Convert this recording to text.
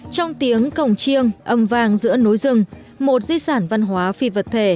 trong tiếng cổng chiêng âm vàng giữa núi rừng một di sản văn hóa phi vật thể